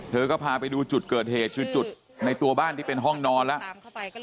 เธอก็พาไปดูจุดเกิดเหตุคือจุดในตัวบ้านที่เป็นห้องนอนแล้ว